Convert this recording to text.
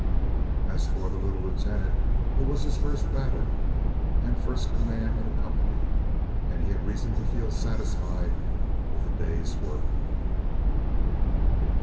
As for the little lieutenant, it was his first battle, and first command of a company, and he had reason to feel satisfied with the day's work.